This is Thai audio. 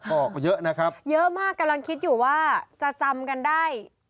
ออกเยอะนะครับเยอะมากกำลังคิดอยู่ว่าจะจำกันได้